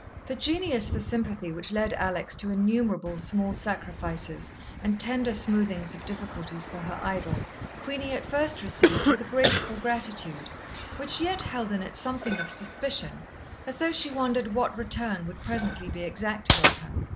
The genius for sympathy which led Alex to innumerable small sacrifices and tender smoothings of difficulties for her idol, Queenie at first received with a graceful gratitude which yet held in it something of suspicion, as though she wondered what return would presently be exacted of her.